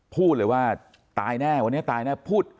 พูดเลยว่าตายแน่วันนี้ตายแน่พูด